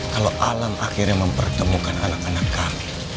kalau alam akhirnya mempertemukan anak anak kami